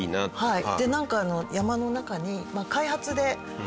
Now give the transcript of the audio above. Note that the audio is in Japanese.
はい。